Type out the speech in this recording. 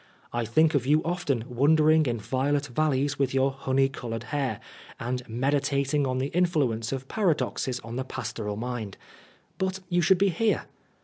I think of you often wandering in violet valleys with your honey coloured hair, and meditating on the influence of paradoxes on the pastoral mind ; but you should be here.